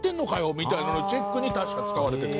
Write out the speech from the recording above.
みたいなののチェックに確か使われてる。